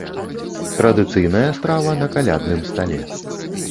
Традыцыйная страва на калядным стале.